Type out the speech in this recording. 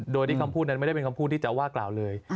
โดยที่คำพูดนั้นไม่ได้เป็นคำพูดที่จะว่ากล่าวเลย